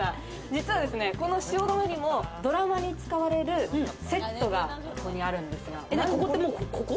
実は、この汐留にもドラマに使われるセットがここにあるんですよ。